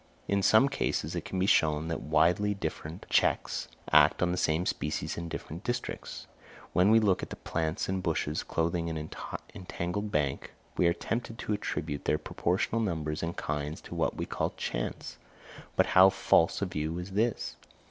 In some cases it can be shown that widely different checks act on the same species in different districts. When we look at the plants and bushes clothing an entangled bank, we are tempted to attribute their proportional numbers and kinds to what we call chance. But how false a view is this!